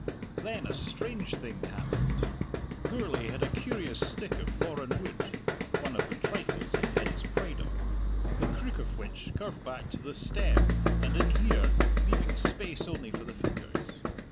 Then a strange thing happened. Gourlay had a curious stick of foreign wood (one of the trifles he fed his pride on) the crook of which curved back to the stem and inhered, leaving space only for the fingers.